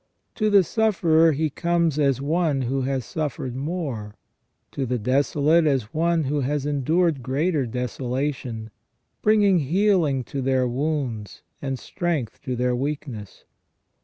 To the suf ferer He comes as one who has suffered more, to the desolate as one who has endured greater desolation, bringing healing to their wounds, and strength to their weakness.